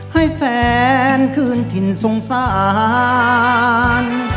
ให้แฟนคืนถิ่นสงสาร